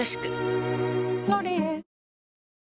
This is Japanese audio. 「ロリエ」